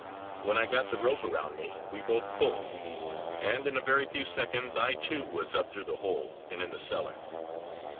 When I got the rope round me, we both pulled; and in a very few seconds I too was up through the hole and in the cellar.